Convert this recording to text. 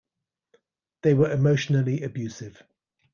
They were emotionally abusive.